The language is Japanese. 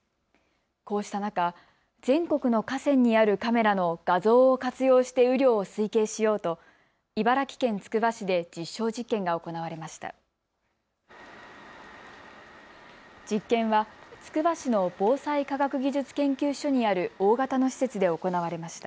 こうした中、全国の河川にあるカメラの画像を活用して雨量を推計しようと茨城県つくば市で実証実験が行われました。